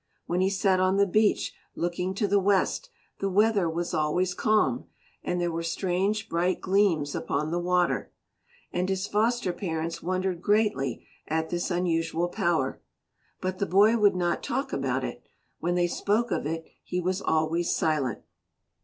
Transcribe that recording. When he sat on the beach looking to the west the weather was always calm and there were strange bright gleams upon the water. And his foster parents wondered greatly at this unusual power. But the boy would not talk about it; when they spoke of it he was always silent.